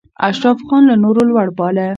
اشراف ځان له نورو لوړ باله.